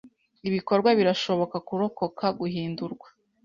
ibikorwa birashoboka kurokoka guhindurwa